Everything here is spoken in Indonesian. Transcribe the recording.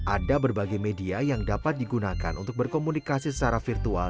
ada berbagai media yang dapat digunakan untuk berkomunikasi secara virtual